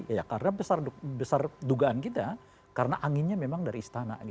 ya karena besar dugaan kita karena anginnya memang dari istana